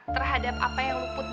terhadap apa yang lu put dari umi